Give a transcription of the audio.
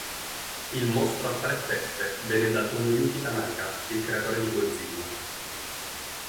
Il mostro a tre teste" venne da Tomoyuki Tanaka, il creatore di Godzilla.